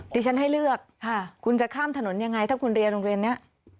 ที่ฉันให้เลือกคุณจะข้ามถนนยังไงถ้าคุณเรียนโรงเรียนนี้